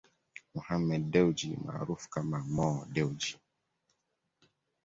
Mohammed Dewji maarufu kama Mo Dewji